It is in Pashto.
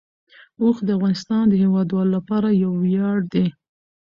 اوښ د افغانستان د هیوادوالو لپاره یو ویاړ دی.